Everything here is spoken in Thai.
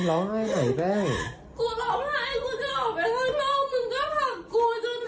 กูร้องไห้กูจะออกไปข้างนอกมึงก็ผักกูจน